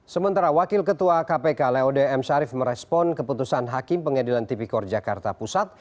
sementara wakil ketua kpk laode m syarif merespon keputusan hakim pengadilan tipikor jakarta pusat